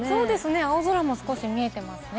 青空も少し見えてますね。